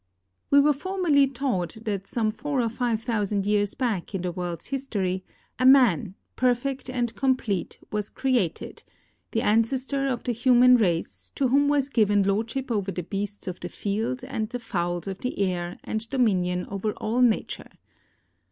We were formerly taught that some four or five thousand years back in the world's history a man, perfect and complete, was created, the ancestor of the human race, to whom was given lordship over the beasts of the field and the fowls of the air and dominion over all nature.